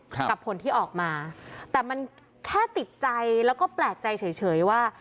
กับผลที่ออกมาแต่มันแค่ติดใจแล้วก็แปลกใจเฉยเฉยว่า